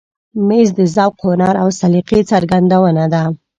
مېز د ذوق، هنر او سلیقې څرګندونه ده.